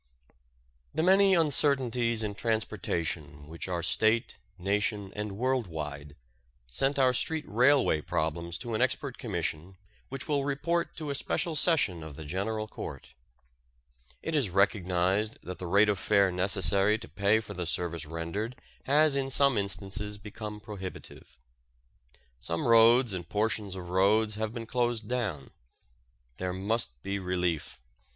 The many uncertainties in transportation which are State, Nation, and world wide, sent our street railway problems to an expert commission which will report to a special session of the General Court. It is recognized that the rate of fare necessary to pay for the service rendered has in some instances become prohibitive. Some roads and portions of roads have been closed down. There must be relief.